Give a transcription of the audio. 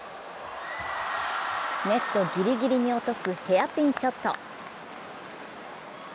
ネットぎりぎりに落とすヘアピンショット。